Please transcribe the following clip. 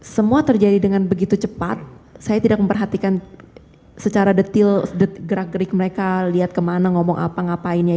semua terjadi dengan begitu cepat saya tidak memperhatikan secara detil gerak gerik mereka lihat kemana ngomong apa ngapainnya